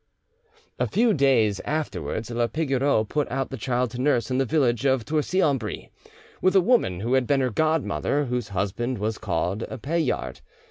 A few days afterwards la Pigoreau put out the child to nurse in the village of Torcy en Brie, with a woman who had been her godmother, whose husband was called Paillard.